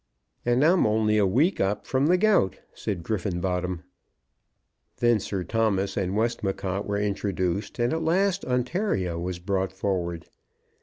"And I'm only a week up from the gout," said Griffenbottom. Then Sir Thomas and Westmacott were introduced, and at last Ontario was brought forward.